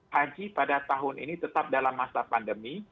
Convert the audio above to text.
haji pada tahun ini tetap dalam masa pandemi